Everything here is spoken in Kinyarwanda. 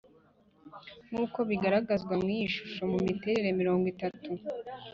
Nk uko bigaragazwa n iyi shusho Mu turere mirongo itatu.